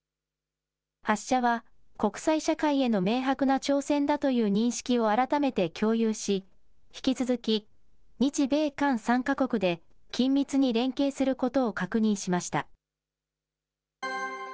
発射は国際社会への明白な挑戦だという認識を改めて共有し、引き続き日米韓３か国で緊密に連携することを確認しました。